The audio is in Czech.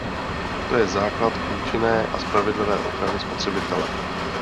To je základ účinné a spravedlivé ochrany spotřebitele.